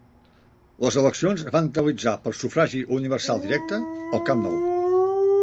Les eleccions es van realitzar per sufragi universal directe, al Camp Nou.